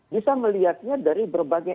bisa melihatnya dari berbagai